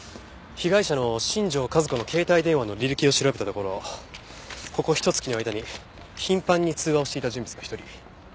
被害者の新庄和子の携帯電話の履歴を調べたところここひと月の間に頻繁に通話をしていた人物が１人。